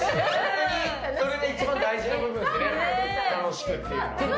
それが一番大事な部分ですね。